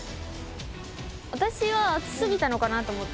私は熱すぎたのかなと思った。